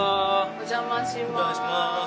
お邪魔します。